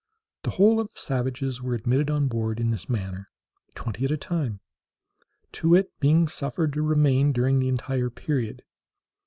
The whole of the savages were admitted on board in this manner, twenty at a time, Too wit being suffered to remain during the entire period.